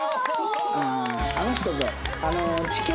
あの人と。